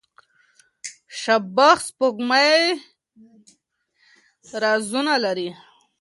شبح سپوږمۍ رازونه لري.